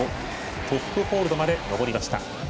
トップホールドまで登りました。